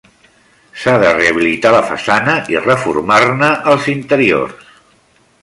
S'ha de rehabilitar la façana i reformar-ne els interiors.